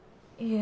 え？